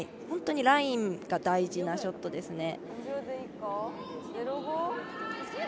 本当にラインが大事なショットです。